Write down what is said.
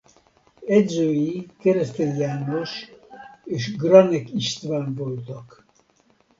Edzői Keresztes János és Granek István voltak.